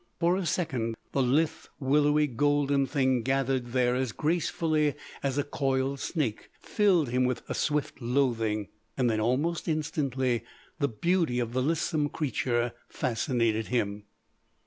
For a second the lithe, willowy golden thing gathered there as gracefully as a coiled snake filled him with swift loathing. Then, almost instantly, the beauty of the lissome creature fascinated him.